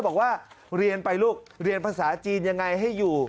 บอกว่าเรียนไปลูกเรียนภาษาจีนยังไงให้อยู่